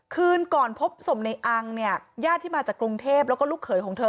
คืนก่อนพบศพในอังเนี่ยญาติที่มาจากกรุงเทพแล้วก็ลูกเขยของเธอ